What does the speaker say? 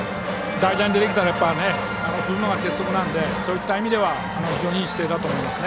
代打で出てきたら振るのが鉄則なのでそういった意味では非常にいい姿勢だと思いますね。